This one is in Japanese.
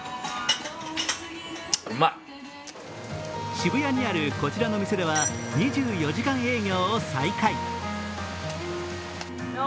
渋谷にあるこちらの店では２４時間営業を再開。